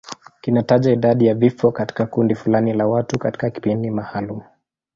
Kinataja idadi ya vifo katika kundi fulani la watu katika kipindi maalum.